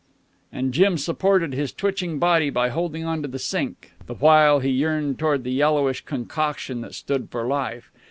And Jim supported his twitching body by holding on to the sink, the while he yearned toward the yellowish concoction that stood for life.